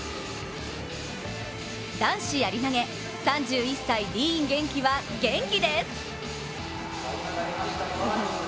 男子やり投げ、３１歳ディーン元気は、元気です！